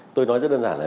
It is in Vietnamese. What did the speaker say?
tôi nói rất đơn giản là